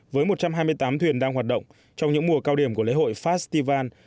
với một trăm hai mươi tám thuyền đang hoạt động trong những mùa cao điểm của lễ hội festival